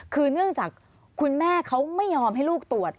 คือเนื่องจากคุณแม่เขาไม่ยอมให้ลูกตรวจ